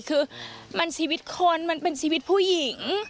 คือมันชีวิตคนมันเป็นชีวิตผู้หญิง